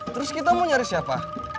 terus kita mau nyari siapa